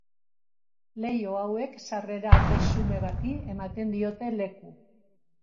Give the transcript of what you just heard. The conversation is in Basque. Leiho hauek sarrera-ate xume bati ematen diote leku.